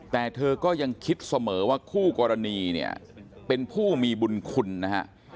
แต่เธอก็ยังคิดเสมอว่าคู่กรณีเนี่ยเป็นผู้มีบุญคุณนะฮะ